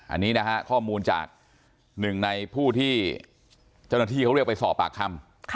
อันนี้นะฮะข้อมูลจากหนึ่งในผู้ที่เจ้าหน้าที่เขาเรียกไปสอบปากคำ